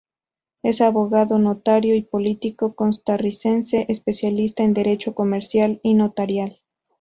Es abogado, notario y político costarricense, especialista en Derecho Comercial y Notarial.